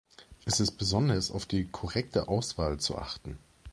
Es ist besonders auf die korrekte Auswahl zu achten.